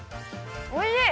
おいしい！